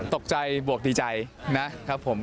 ตกใจบวกดีใจนะครับผม